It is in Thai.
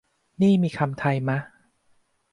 นี่มีคำไทยมะ ?